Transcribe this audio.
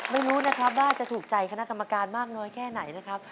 ไม่รู้นะครับว่าจะถูกใจคณะกรรมการมากน้อยแค่ไหนนะครับ